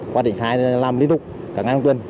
quá trình khai là làm liên tục cả ngày hôm tuần